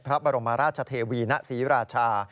พระบรมราชเทวีณศรีราชา